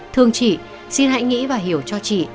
thương chị xin hãy nghĩ và hiểu cho chị